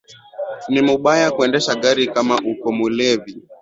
Ni mubaya kuendesha gari kama uko mulevi